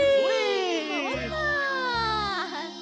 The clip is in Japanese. まわります！